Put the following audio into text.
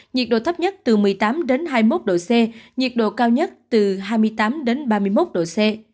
nhiệt độ thấp nhất từ một mươi tám đến hai mươi một độ c nhiệt độ cao nhất từ hai mươi tám đến ba mươi một độ c